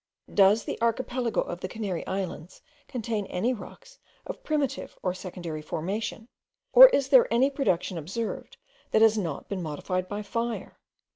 Does the archipelago of the Canary Islands contain any rocks of primitive or secondary formation; or is there any production observed, that has not been modified by fire?